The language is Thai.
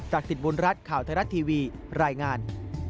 จักรสิทธิ์บนรัฐข่าวทะลัดทีวีรายงาน